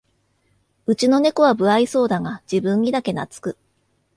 うちのネコは無愛想だが自分にだけなつく